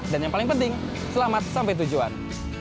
dan yang paling penting selamat sampai tujuan